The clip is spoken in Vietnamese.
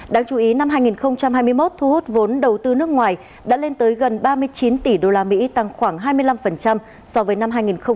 đáng chú ý năm hai nghìn hai mươi một thu hút vốn đầu tư nước ngoài đã lên tới gần ba mươi chín tỷ đô la mỹ tăng khoảng hai mươi năm so với năm hai nghìn hai mươi